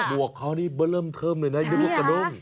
หมวกเขานี่เบาเริ่มเธอมเลยนะคือหมวกกระนม